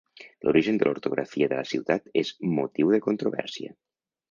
L'origen de l'ortografia de la ciutat és motiu de controvèrsia.